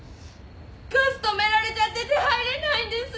ガス止められちゃってて入れないんです！